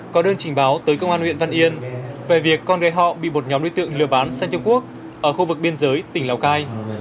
có đơn trình báo tới công an huyện văn yên về việc con gái họ bị một nhóm đối tượng lừa bán sang trung quốc ở khu vực biên giới tỉnh lào cai